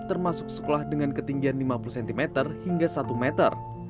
termasuk sekolah dengan ketinggian lima puluh cm hingga satu meter